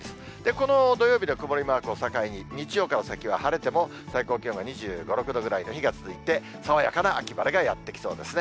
この土曜日の曇りマークを境に、日曜から先は晴れても最高気温が２５、６度ぐらいの日が続いて、爽やかな秋晴れがやって来そうですね。